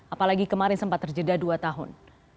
apalagi kemarin sempat terjeda dua tahun